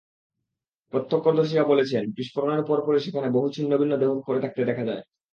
প্রত্যক্ষদর্শীরা বলেছেন, বিস্ফোরণের পরপরই সেখানে বহু ছিন্নভিন্ন দেহ পড়ে থাকতে দেখা যায়।